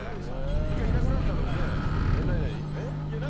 １回いなくなったのにねえっ何？何？